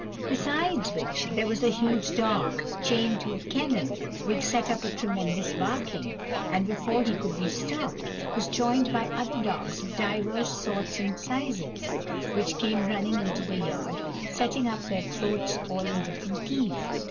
Besides which, there was a huge dog, chained to a kennel, which set up a tremendous barking; and, before he could be stopped, was joined by other dogs of divers sorts and sizes, which came running into the yard, setting up their throats all in different keys.